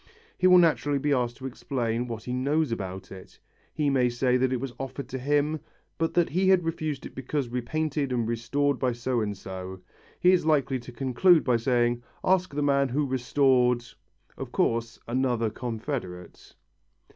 He will naturally be asked to explain what he knows about it. He may say that it was offered to him, but that he had refused it because repainted and restored by so and so. He is likely to conclude by saying, "Ask the man who restored " of course, another confederate.